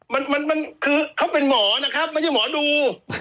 มันมันคือเขาเป็นหมอนะครับไม่ใช่หมอดู